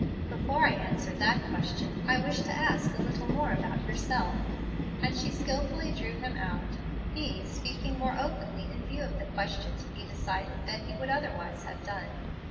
"Before I answer that question I wish to ask a little more about yourself;" and she skilfully drew him out, he speaking more openly in view of the question to be decided than he would otherwise have done.